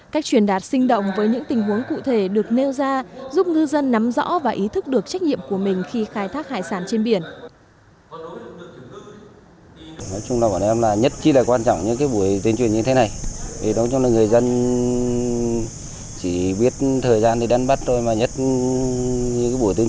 cách truyền đạt sinh động với những tình huống cụ thể được nêu ra giúp ngư dân nắm rõ và ý thức được trách nhiệm của mình khi khai thác hải sản trên biển